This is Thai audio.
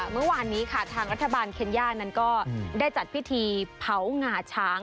เมื่อวานนี้ค่ะทางรัฐบาลเคนย่านั้นก็ได้จัดพิธีเผางาช้าง